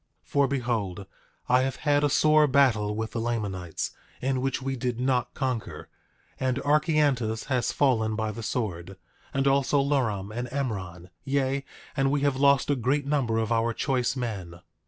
9:2 For behold, I have had a sore battle with the Lamanites, in which we did not conquer; and Archeantus has fallen by the sword, and also Luram and Emron; yea, and we have lost a great number of our choice men.